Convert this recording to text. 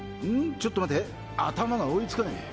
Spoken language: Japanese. ⁉ちょっと待て頭が追いつかねぇ。